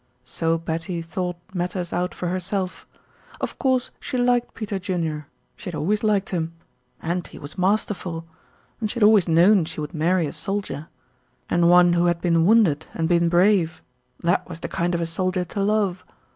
So Betty thought matters out for herself. Of course she liked Peter Junior she had always liked him and he was masterful and she had always known she would marry a soldier and one who had been wounded and been brave that was the kind of a soldier to love.